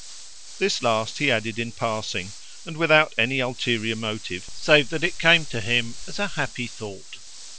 This last he added in passing, and without any ulterior motive, save that it came to him as a happy thought.